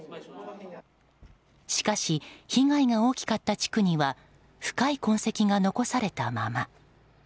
しかし被害が大きかった地区には深い痕跡が残されたまま。